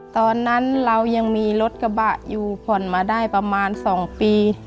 ตอนนั้นเรายังมีรถกระบะอยู่ผ่อนมาได้ประมาณ๒ปี